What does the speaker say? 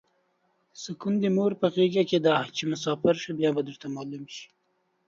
سوکون د مور په غیګه ده چی مسافر شی بیا به درته معلومه شی